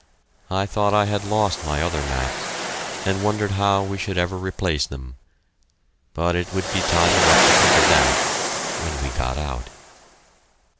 I thought I had lost my other maps, and wondered how we should ever replace them. But it would be time enough to think of that when we got out.